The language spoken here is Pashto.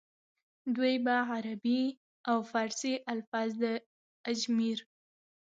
دوي به عربي او فارسي الفاظ د اجمېر